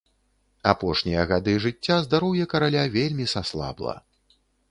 Апошнія гады жыцця здароўе караля вельмі саслабла.